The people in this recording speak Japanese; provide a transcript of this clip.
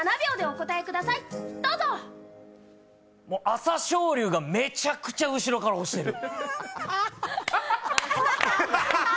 朝青龍がめちゃくちゃ後ろから押してる？